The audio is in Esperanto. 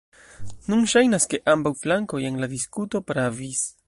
Nun ŝajnas ke ambaŭ flankoj en la diskuto pravis.